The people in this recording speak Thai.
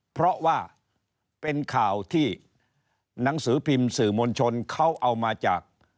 เพราะว่าเป็นข่าวที่หนังสือพิมพ์สื่อมวลชนเขาเอามาจาก